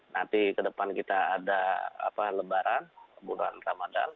nanti ke depan kita ada lebaran bulan ramadhan